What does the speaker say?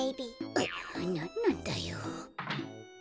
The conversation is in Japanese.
ううなんなんだよ。